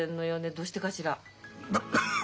どうしてかしら。